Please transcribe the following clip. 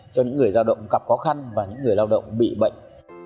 cho những người lao động cặp khó khăn và những người lao động bị bệnh